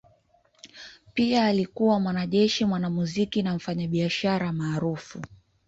Pia alikuwa mwanajeshi, mwanamuziki na mfanyabiashara maarufu.